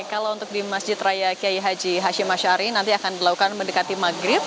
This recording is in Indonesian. kalau untuk di masjid raya kiai haji hashim ashari nanti akan dilakukan mendekati maghrib